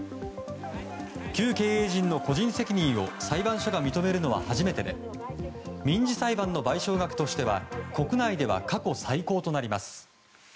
旧経営陣の個人責任を裁判所が認めるのは初めてで民事裁判の賠償額としては国内では過去最高となります。